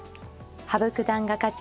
羽生九段が勝ち